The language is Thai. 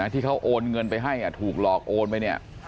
ที่เขาโอนเงินไปให้ถูกหลอกโอนไปเนี่ย